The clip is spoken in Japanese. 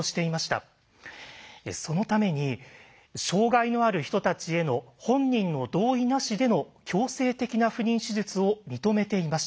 そのために障害のある人たちへの本人の同意なしでの強制的な不妊手術を認めていました。